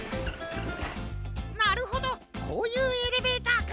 なるほどこういうエレベーターか。